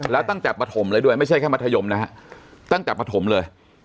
แล้วตั้งแต่ปฐมเลยด้วยไม่ใช่แค่มัธยมนะฮะตั้งแต่ปฐมเลย